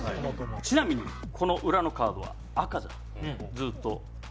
ちなみにこの裏のカードは赤じゃずっと。